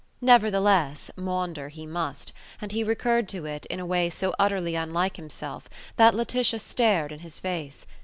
Nevertheless, maunder he must; and he recurred to it in a way so utterly unlike himself that Laetitia stared in his face.